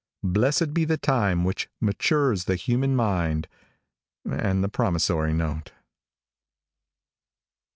Blessed be the time which matures the human mind and the promissory note.